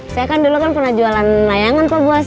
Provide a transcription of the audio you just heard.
saya kan dulu pernah jualan layangan pak bos